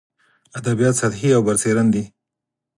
ادبیات سطحي او برسېرن دي.